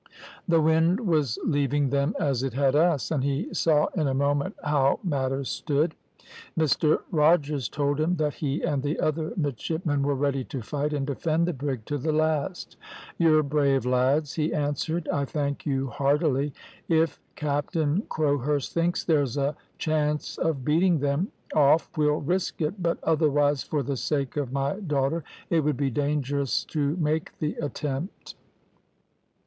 "The wind was leaving them as it had us, and he saw in a moment how matters stood. "Mr Rogers told him that he and the other midshipmen were ready to fight and defend the brig to the last. "`You're brave lads,' he answered. `I thank you heartily. If Captain Crowhurst thinks there's a chance of beating them off we'll risk it, but otherwise, for the sake of my daughter, it would be dangerous to make the attempt.'